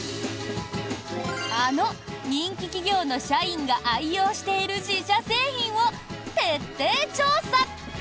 あの、人気企業の社員が愛用している自社商品を徹底調査！